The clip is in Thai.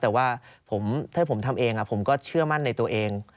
แต่ว่าถ้าผมทำเองผมก็เชื่อมั่นในตัวเอง